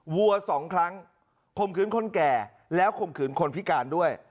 วัวสองครั้งข่มขืนคนแก่แล้วข่มขืนคนพิการด้วย